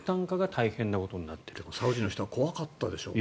サウジの人は怖かったでしょうね。